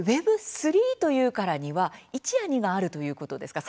Ｗｅｂ３というからには１や２があるということですか。